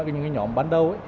những nhóm bắn đầu